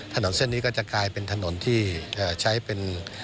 ถนนเส้นนี้ก็จะกลายเป็นถนนที่ใช้เป็น